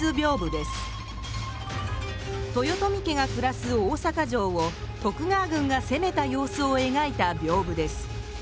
豊臣家が暮らす大坂城を徳川軍が攻めた様子をえがいた屏風です。